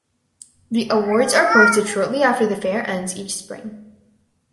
The awards are posted shortly after the fair ends each spring.